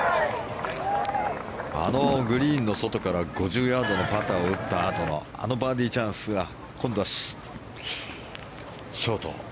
あのグリーンの外から５０ヤードのパターを打ったあとのあのバーディーチャンスが今度はショート。